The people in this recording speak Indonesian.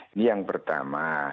ini yang pertama